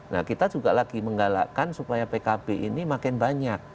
nah kita juga lagi menggalakkan supaya pkb ini makin banyak